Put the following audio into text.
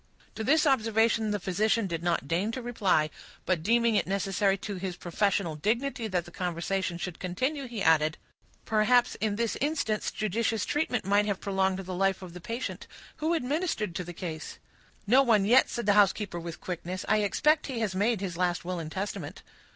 To this observation the physician did not deign to reply; but, deeming it necessary to his professional dignity that the conversation should continue, he added,— "Perhaps, in this instance, judicious treatment might have prolonged the life of the patient. Who administered to the case?" "No one yet," said the housekeeper, with quickness. "I expect he has made his last will and testament."